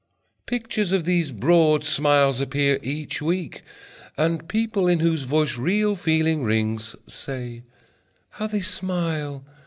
Pictures of these broad smiles appear each week, And people in whose voice real feeling rings Say: How they smile!